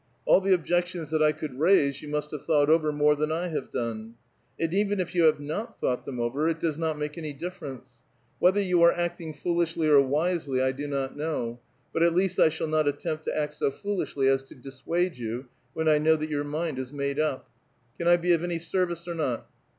All the objections that I could raise you must have thought over more than I have done. And even if you have not thought them over, it does not make anv difference. Whether von are actino: foolishlv or wisely I do not know, but at least I shall not attempt to act so foolishly as to dissuade you, when I know that j'our mind is made up. Can I be of any service or not?"